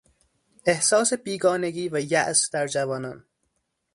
احساس بیگانگی و یاس در جوانان